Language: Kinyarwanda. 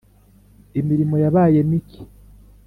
imirimo yabaye mike